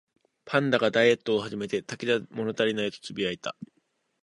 パンダがダイエットを始めて、「竹だけじゃ物足りない」とつぶやいた